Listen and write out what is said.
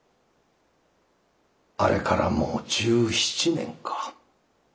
あれからもう１７年か。